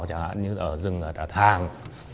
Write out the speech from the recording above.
chẳng hạn như ở rừng tà thàng